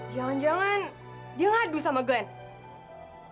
jangan jangan dia ngadu sama glenn